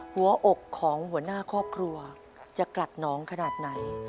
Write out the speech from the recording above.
หัวอกของหัวหน้าครอบครัวจะกลัดน้องขนาดไหน